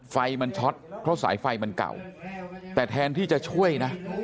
ไฟมันช็อตเพราะสายไฟมันเก่าแต่แทนที่จะช่วยนะ